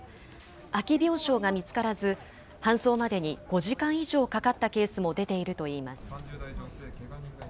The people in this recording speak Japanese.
空き病床が見つからず、搬送までに５時間以上かかったケースも出ているといいます。